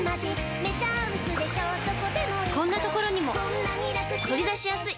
こんなところにも、取り出しやすい。